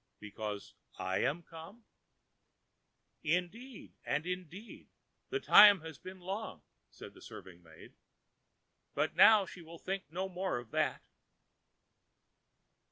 ã ãBecause I am come?ã ãIndeed, and indeed the time has been long,ã said the serving maid; ãbut now she will think no more of that.